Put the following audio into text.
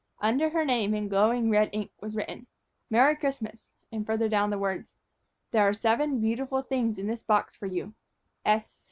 Under her name, in glowing red ink, was written "Merry Christmas," and, farther down, the words: "There are seven beautiful things in this box for you.